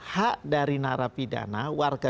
hak dari narapidana warga